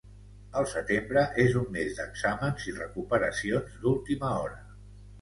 El setembre és un mes d’exàmens i recuperacions d’última hora.